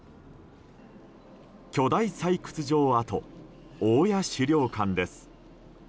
巨大採掘場跡大谷資料館です。